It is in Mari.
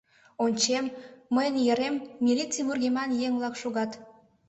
Ончем: мыйын йырем милиций вургеман еҥ-влак шогат.